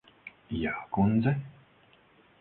Jā, kundze.